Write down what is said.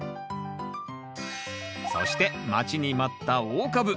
そして待ちに待った大株。